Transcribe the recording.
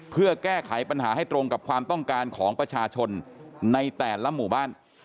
เพื่อแก้ไขปัญหาให้ตรงกับความต้องการของประชาชนในแต่ละหมู่บ้าน